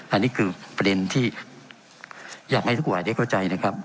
อันนี้คือประเด็นที่อยากให้ทุกฝ่ายได้เข้าใจนะครับ